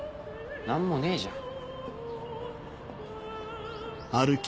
何もねえじゃん。